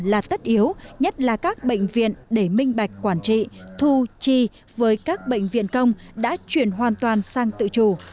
là tất yếu nhất là các bệnh viện để minh bạch quản trị thu chi với các bệnh viện công đã chuyển hoàn toàn sang tự chủ